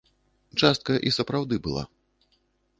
Частка і сапраўды была.